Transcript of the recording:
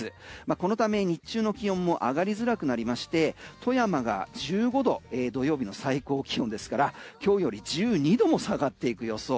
このため日中の気温も上がりづらくなりまして富山が１５度土曜日の最高気温ですから今日より１２度も下がっていく予想。